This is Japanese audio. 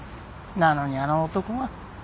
なのにあの男は。